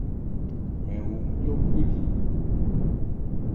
Mɛn wu nmjɔ́ bhwelí.